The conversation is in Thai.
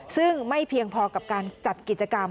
ซึ่งไม่เพียงพอกับการจัดกิจกรรม